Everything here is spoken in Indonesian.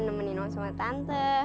nemenin lo sama tante